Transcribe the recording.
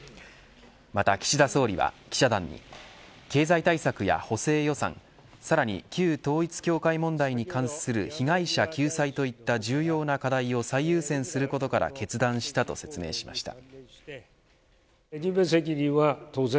また、岸田総理は記者団に経済対策や補正予算さらに旧統一教会問題に関する被害者救済といった重要な課題を最優先することから決断したと説明しました。